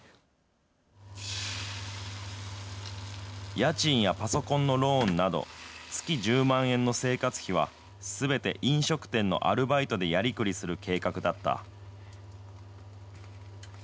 家賃やパソコンのローンなど、月１０万円の生活費は、すべて飲食店のアルバイトでやりくりする計画だった。